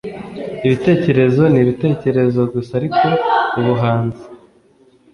Ibitekerezo nibitekerezo gusa ariko ubuhanzi